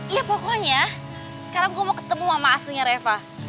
iya pokoknya sekarang gue mau ketemu mama aslinya reva